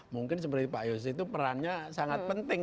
mungkin seperti pak yosi itu perannya sangat penting